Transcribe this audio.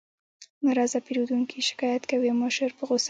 ناراضه پیرودونکي شکایت کوي او مشر په غوسه وي